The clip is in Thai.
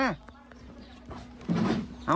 ไปไซธ์